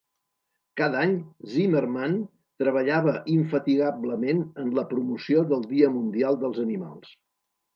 Cada any, Zimmermann treballava infatigablement en la promoció del Dia Mundial dels Animals.